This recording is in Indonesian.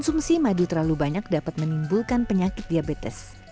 sebagian madu diklaim aman bahkan dapat mengontrol gula darah bagi penderita diabetes